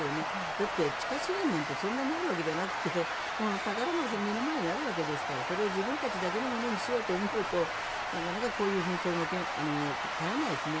だって地下資源なんてそんなにあるわけじゃなくて宝が目の前にあるわけですからそれを自分たちだけのものにしようと思うとなかなかこういう紛争が絶えないですね。